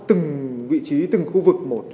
từng vị trí từng khu vực